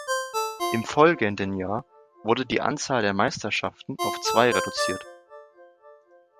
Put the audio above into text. Im folgenden Jahr wurden die Anzahl der Meisterschaften auf zwei reduziert.